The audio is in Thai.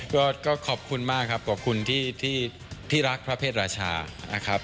ก็ขอบคุณมากครับขอบคุณที่รักพระเพศราชานะครับ